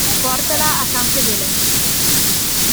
Portala a San Fedele.